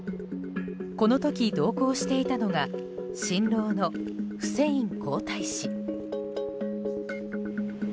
この時、同行していたのが新郎のフセイン皇太子。